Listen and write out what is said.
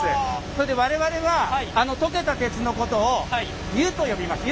それで我々は溶けた鉄のことを「湯」と呼びます。